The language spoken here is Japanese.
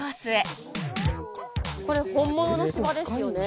これ本物の芝ですよね。